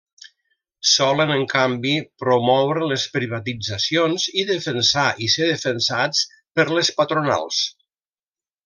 Solen, en canvi, promoure les privatitzacions i defensar, i ser defensats, per les patronals.